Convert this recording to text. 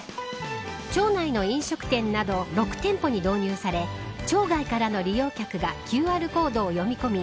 町内の飲食店など６店舗に導入され町外からの利用客がＱＲコードを読み込み